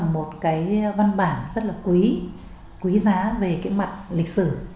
một cái văn bản rất là quý quý giá về cái mặt lịch sử